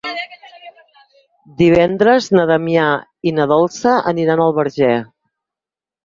Divendres na Damià i na Dolça aniran al Verger.